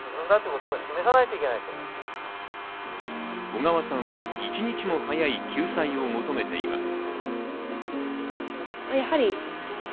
小川さんは、一日も早い救済を求めています。